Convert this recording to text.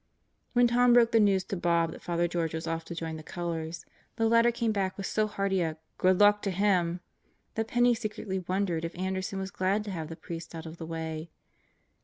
When Tom broke the news to Bob that Father George was off to join the colors, the latter came back with so hearty a "Good luck to him!" that Penney secretly wondered if Anderson was glad to have the priest out of the way.